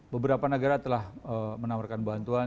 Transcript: beberapa negara telah menawarkan bantuan